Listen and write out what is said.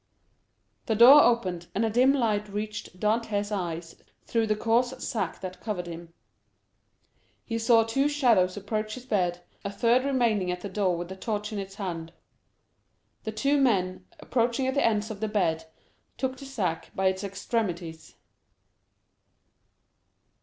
The door opened, and a dim light reached Dantès' eyes through the coarse sack that covered him; he saw two shadows approach his bed, a third remaining at the door with a torch in its hand. The two men, approaching the ends of the bed, took the sack by its extremities.